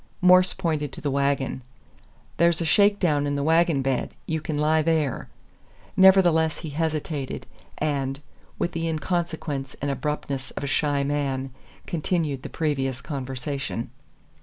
Morse pointed to the wagon. "Thar's a shakedown in the wagon bed; you kin lie there." Nevertheless he hesitated, and, with the inconsequence and abruptness of a shy man, continued the previous conversation.